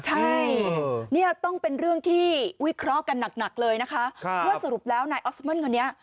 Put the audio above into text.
ใช่เนี่ยต้องเป็นเรื่องที่วิเคราะห์กันหนักเลยนะคะว่าสรุปแล้วนายออสเมิลคนนี้